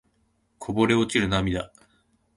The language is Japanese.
こぼれ落ちる涙